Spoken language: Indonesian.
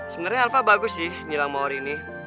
sebenarnya alva bagus sih ngilang mawar ini